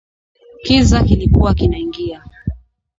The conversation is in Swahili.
Kiza kilikuwa kinaingia